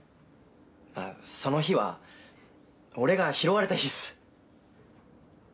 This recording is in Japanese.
あっその日は俺が拾われた日っす。